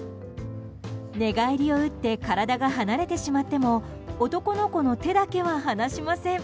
寝返りを打って体が離れてしまっても男の子の手だけは離しません。